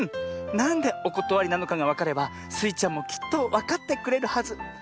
なんでおことわりなのかがわかればスイちゃんもきっとわかってくれるはず。